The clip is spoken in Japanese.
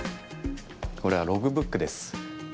これはログブックです。